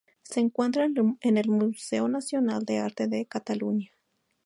Se encuentra en el Museo Nacional de Arte de Cataluña.